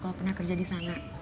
kalau pernah kerja di sana